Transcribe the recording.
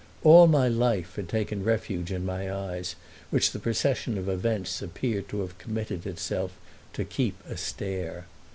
All my life had taken refuge in my eyes, which the procession of events appeared to have committed itself to keep astare.